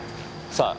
さあ。